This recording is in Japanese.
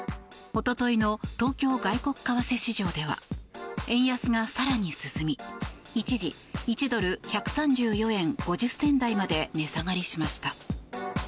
一昨日の東京外国為替市場では円安が更に進み一時１ドル＝１３４円５０銭台まで値下がりしました。